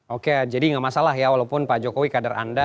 oke jadi nggak masalah ya walaupun pak jokowi kader anda